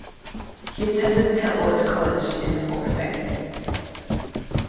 He attended Te Aute College in Hawkes Bay.